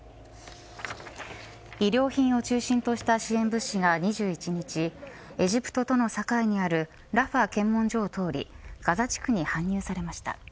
医療品を中心とした支援物資が２１日、エジプトとの境にあるラファ検問所を通りガザ地区に搬入されました。